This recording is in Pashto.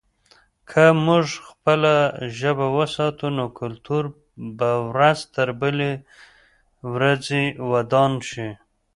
که موږ خپله ژبه وساتو، نو کلتور به ورځ بلې ورځې ودان شي.